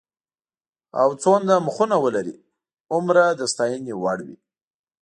او څومره مخونه ولري هومره د ستاینې وړ وي.